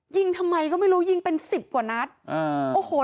ยิงทำไมก็ไม่รู้ยิงเป็น๑๐กว่านัด